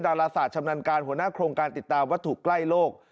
ดาราศาสตร์ชำนาญการหัวหน้าโครงการติดตามวัตถุใกล้โลก